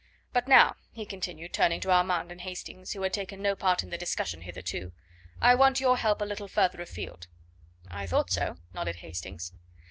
But now," he continued, turning to Armand and Hastings, who had taken no part in the discussion hitherto, "I want your help a little further afield." "I thought so," nodded Hastings.